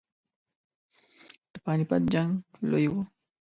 د پاني پټ جنګ لوی وو.